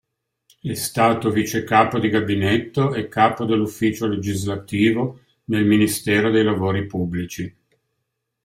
È stato vicecapo di gabinetto e capo dell'ufficio legislativo nel ministero dei lavori pubblici.